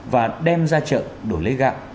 và đem ra chợ đổi lấy gạo